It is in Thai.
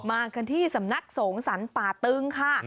มากันที่สำนักสงสรรป่าตึงค่ะ